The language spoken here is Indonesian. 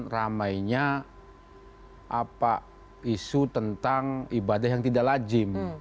ramainya isu tentang ibadah yang tidak lajim